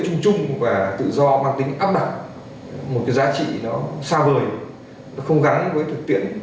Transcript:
chưa nói đến việc đánh giá này là mang tính áp đọng và vượt bốc